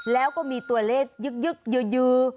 แล้วก็มีตัวเลขยึกยื้อ